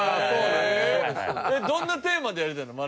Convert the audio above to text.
どんなテーマでやりたいの？